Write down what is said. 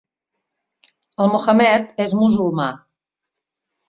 El Mohammed és musulmà.